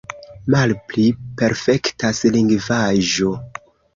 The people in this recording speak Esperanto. Malpli perfektas lingvaĵo.